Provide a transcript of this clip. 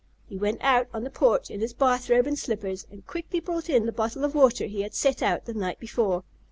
He went out on the porch in his bath robe and slippers, and quickly brought in the bottle of water he had set out the night before.